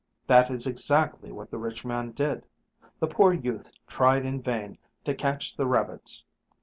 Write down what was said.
That is exactly what the rich man did. The poor youth tried in vain to catch the rabbits.